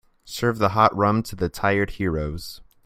Serve the hot rum to the tired heroes.